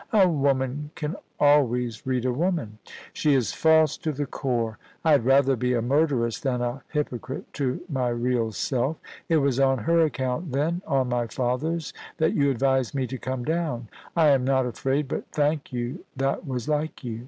A woman can always read a woman. She is false to the core. I had rather be a murderess than a hypocrite to my real self. It was on her account, then — on my father's — that you advised me to come down. I am not afi'aid, but thank you — that was like you.